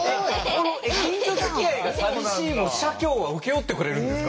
この近所づきあいが寂しいも社協は請け負ってくれるんですか？